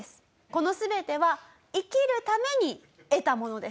この全ては生きるために得たものです。